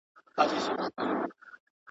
خوله دي خپله، غول په وله.